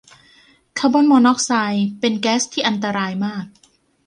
คาร์บอนมอนอกซ์ไซด์เป็นแก๊สที่อันตรายมาก